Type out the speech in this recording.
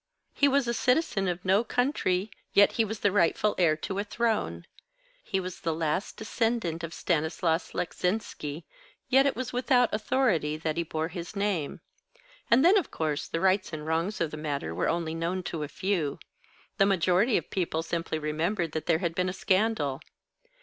He was a citizen of no country, yet he was the rightful heir to a throne. He was the last descendant of Stanislas Leczinski, yet it was without authority that he bore his name. And then, of course, the rights and wrongs of the matter were only known to a few. The majority of people simply remembered that there had been a scandal.